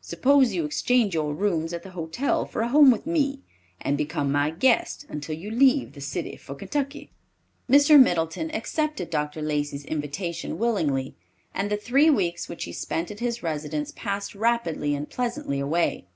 Suppose you exchange your rooms at the hotel for a home with me, and become my guest until you leave the city for Kentucky?" Mr. Middleton accepted Dr. Lacey's invitation willingly, and the three weeks which he spent at his residence passed rapidly and pleasantly away.